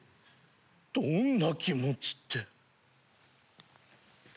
どんな気持ちって。